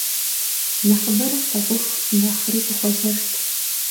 Нэхъыбэрэ слъагъуху, нэхъри сыхуэзэшт.